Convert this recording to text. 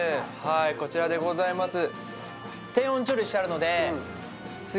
こちらでございます